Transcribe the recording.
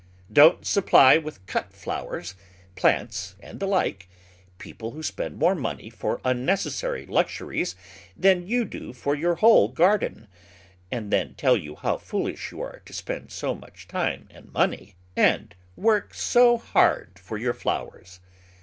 Don't supply with cut flowers, plants, and the like, people who spend more money for unnecessary lux uries than you do for your whole garden, and then tell you how foolish you are to spend so much time and money, and work so hard for your flowers.